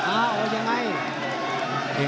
อ้าวยังไง